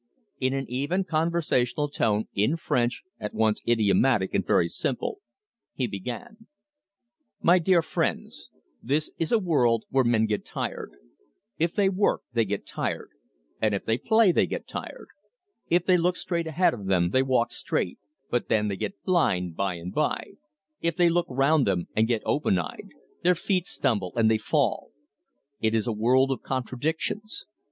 In an even, conversational tone, in French at once idiomatic and very simple, he began: "My dear friends, this is a world where men get tired. If they work they get tired, and if they play they get tired. If they look straight ahead of them they walk straight, but then they get blind by and by; if they look round them and get open eyed, their feet stumble and they fall. It is a world of contradictions.